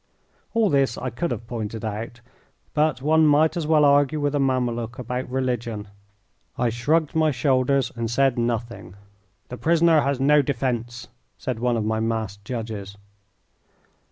All this I could have pointed out, but one might as well argue with a Mameluke about religion. I shrugged my shoulders and said nothing. "The prisoner has no defence," said one of my masked judges.